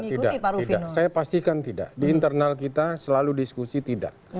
tidak tidak saya pastikan tidak di internal kita selalu diskusi tidak